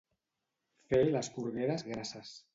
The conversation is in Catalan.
Fer les porgueres grasses.